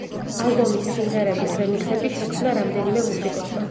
ალბომის სიმღერების რემიქსები შექმნა რამდენიმე მუსიკოსმა.